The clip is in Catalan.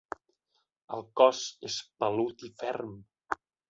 El cos és pelut i ferm.